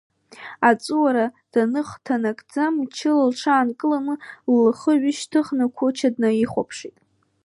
Аҵәуара даныхҭанакӡа, мчыла лҽаанкыланы, лхы ҩышьҭыхны қәыча днаихәаԥшит.